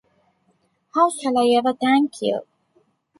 How shall I ever thank you?